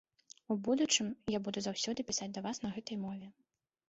У будучым я буду заўсёды пісаць да вас на гэтай мове.